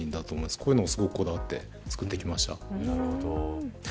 こういうのをこだわって作ってきました。